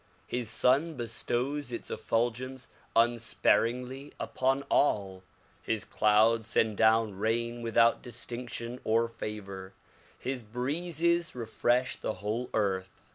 His sun bestows its effulgence unsparingly upon all, his clouds send down rain without distinction or favor, his breezes refresh the whole earth.